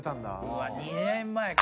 うわ２年前か。